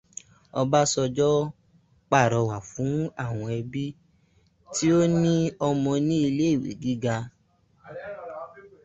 Obasanjọ pàrọwà fún àwọn ẹbí tí o ní ọmọ ní iléèwé giga.